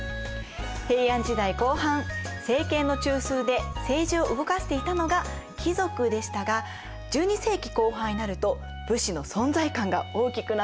平安時代後半政権の中枢で政治を動かしていたのが貴族でしたが１２世紀後半になると武士の存在感が大きくなっていくんです。